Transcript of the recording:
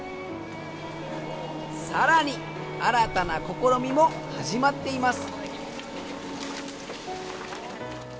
さらに新たな試みも始まっています。